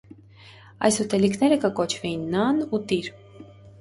Այս ուտելիքները կը կոչուէին «նան ու տիր»։